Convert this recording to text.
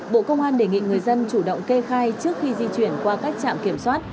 bộ công an đề nghị người dân chủ động kê khai trước khi di chuyển qua các trạm kiểm soát